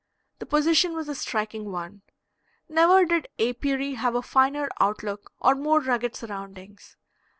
The position was a striking one. Never did apiary have a finer outlook or more rugged surroundings.